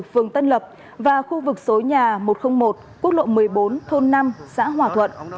phường tân lập và khu vực số nhà một trăm linh một quốc lộ một mươi bốn thôn năm xã hòa thuận